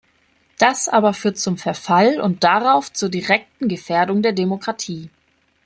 Das aber führt zum Verfall und darauf zur direkten Gefährdung der Demokratie.